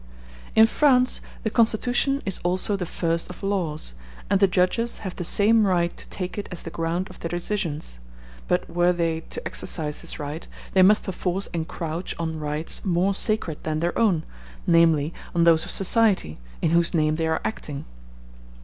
In France the constitution is also the first of laws, and the judges have the same right to take it as the ground of their decisions, but were they to exercise this right they must perforce encroach on rights more sacred than their own, namely, on those of society, in whose name they are acting.